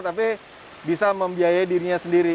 tapi bisa membiayai dirinya sendiri